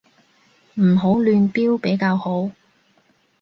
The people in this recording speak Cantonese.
唔好亂標比較好